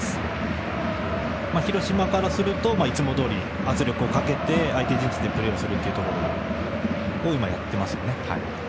広島からするといつもどおり圧力をかけて相手陣地でプレーすることを今、やっていますよね。